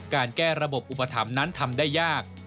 การแก้ระบบอุปถัมภ์นั้นทำได้ยาก